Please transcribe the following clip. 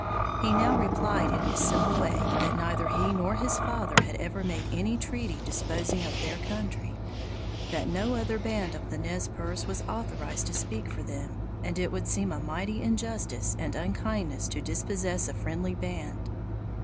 He now replied in his simple way that neither he nor his father had ever made any treaty disposing of their country, that no other band of the Nez Perces was authorized to speak for them, and it would seem a mighty injustice and unkindness to dispossess a friendly band.